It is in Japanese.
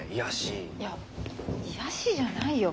いや癒やしじゃないよ。